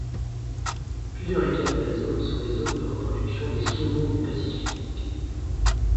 Plusieurs rivières de la zone sont des zones de reproduction des saumons du Pacifique.